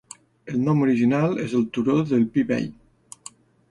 El nom original és el turó del Pi Vell.